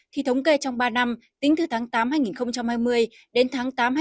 thì thống kê trong ba năm tính từ tháng tám hai nghìn hai mươi đến tháng tám hai nghìn hai mươi